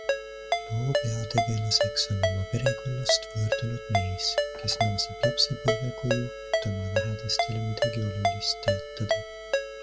Loo peategelaseks on oma perekonnast võõrdunud mees, kes naaseb lapsepõlvekoju, et oma lähedastele midagi olulist teatada.